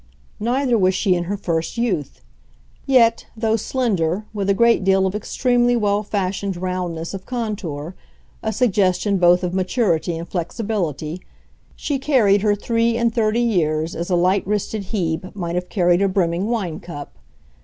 Neither was she in her first youth; yet, though slender, with a great deal of extremely well fashioned roundness of contour—a suggestion both of maturity and flexibility—she carried her three and thirty years as a light wristed Hebe might have carried a brimming wine cup.